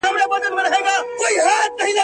سړي هغې ته د لویې شتمنۍ وړاندیز وکړ.